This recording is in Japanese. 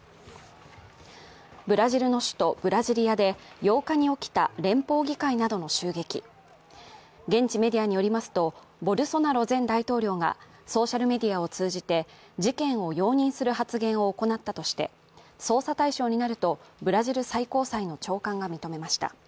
ブラジルの首都ブラジリアで、８日に起きた連邦議会などへの襲撃現地メディアによりますとボルソナロ前大統領がソーシャルメディアを通じて、事件を容認する発言を行ったとして、捜査対象になるとブラジル最高裁の長官が認めました。